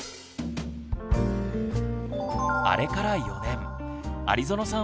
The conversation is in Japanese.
あれから４年有園さん